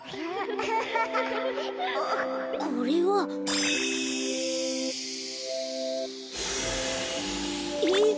これは。えっ？